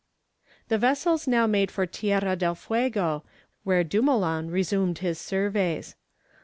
The vessels now made for Tierra del Fuego, where Dumoulin resumed his surveys.